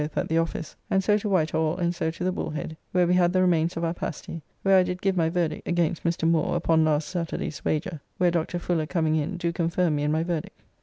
] both at the office, and so to Whitehall, and so to the Bullhead, where we had the remains of our pasty, where I did give my verdict against Mr. Moore upon last Saturday's wager, where Dr. Fuller coming in do confirm me in my verdict.